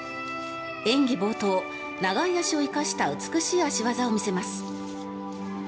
演技冒頭、長い脚を生かした美しい脚技を見せます。